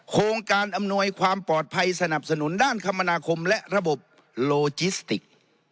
โครงการอำนวยความปลอดภัยสนับสนุนด้านคมนาคมและระบบโลจิสติก